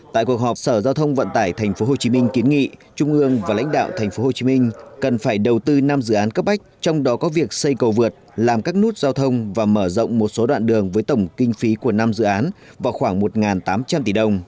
tại cuộc họp sở giao thông vận tải tp hcm kiến nghị trung ương và lãnh đạo tp hcm cần phải đầu tư năm dự án cấp bách trong đó có việc xây cầu vượt làm các nút giao thông và mở rộng một số đoạn đường với tổng kinh phí của năm dự án vào khoảng một tám trăm linh tỷ đồng